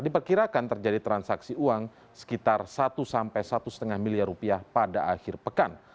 diperkirakan terjadi transaksi uang sekitar satu sampai satu lima miliar rupiah pada akhir pekan